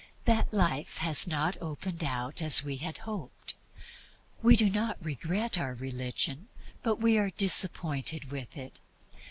That life has not opened out as we had hoped. We do not regret our religion, but we are disappointed with it.